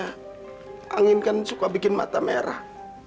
karena angin kan suka bikin mata merah